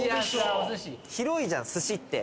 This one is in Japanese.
広いじゃん寿司って。